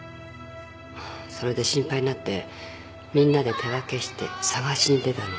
それで心配になってみんなで手分けして捜しに出たの。